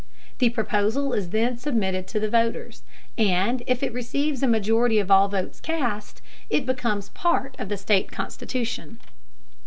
The proposal is then submitted to the voters, and if it receives a majority of all votes cast, it becomes part of the state constitution.